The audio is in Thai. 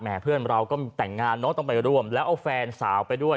เพื่อนเราก็แต่งงานเนอะต้องไปร่วมแล้วเอาแฟนสาวไปด้วย